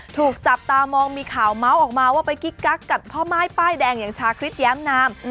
ถูกจับตามองมีข่าวเมาส์ออกมาว่าไปกิ๊กกักกับพ่อม่ายป้ายแดงอย่างชาคริสแย้มนาม